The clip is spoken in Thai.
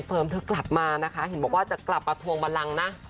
เธอกลับมานะคะเห็นบอกว่าจะกลับมาทวงบันลังนะ